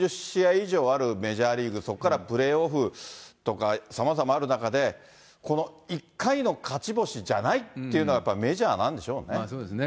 以上あるメジャーリーグ、そこからプレーオフとか、さまざまある中で、この１回の勝ち星じゃないっていうのがやっぱりメジャーなんでしそうですね。